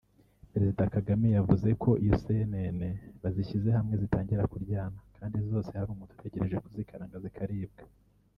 Perezida Kagame yavuze ko iyo isenene bazishyize hamwe zitangira kuryana kandi zose hari umuntu utegereje kuzikaranga zikaribwa